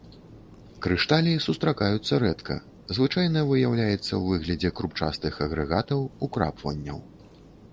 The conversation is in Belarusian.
Крышталі сустракаюцца рэдка, звычайна выяўляецца ў выглядзе крупчастых агрэгатаў, украпванняў.